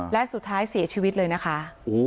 และสุดท้ายเสียชีวิตเลยนะคะ